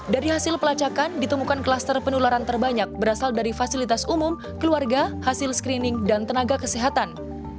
dari hasil pelacakan ditemukan klaster penularan terbanyak berasal dari fasilitas umum keluarga hasil screening dan tenaga kesehatan